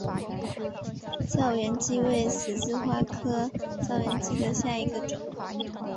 燥原荠为十字花科燥原荠属下的一个种。